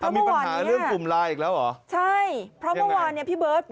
มีปัญหาเรื่องกลุ่มไลน์อีกแล้วเหรอใช่เพราะเมื่อวานเนี่ยพี่เบิร์ต